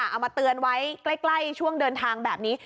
เอามาเตือนไว้ใกล้ช่วงเดินทางแบบนี้